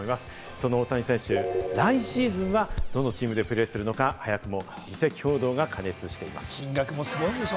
その大谷選手、来シーズンはどのプレーでチームするのか、早くも移籍報道が過熱しています。